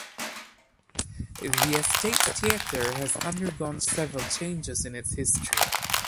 The Estates Theatre has undergone several changes in its history.